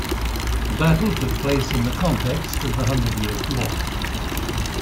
The battle took place in the context of the Hundred Years War.